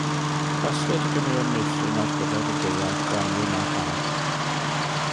Casgliad o ganeuon meithrin ar gyfer y gaeaf, y gwanwyn a'r haf.